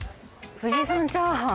富士山チャーハン。